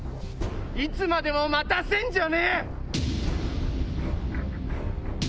いつまでも待たせんじゃねえ！